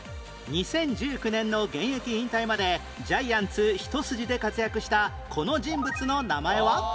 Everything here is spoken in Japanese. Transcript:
２０１９年の現役引退までジャイアンツ一筋で活躍したこの人物の名前は？